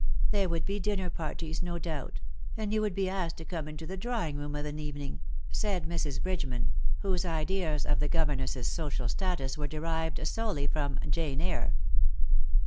There' would be dinner parties, no doubt, and you would be asked to come into the drawing room of an evening," said Mrs. Bridgeman, whose ideas of the governess's social status were derived solely from " Jane Eyre."